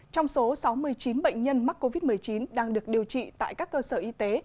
trong số sáu mươi chín bệnh nhân mắc covid một mươi chín đang được điều trị tại các cơ sở y tế